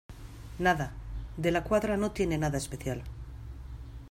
nada, De la Cuadra no tiene nada especial.